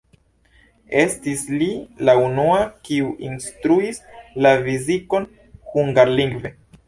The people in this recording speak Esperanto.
Estis li la unua, kiu instruis la fizikon hungarlingve.